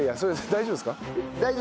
大丈夫です。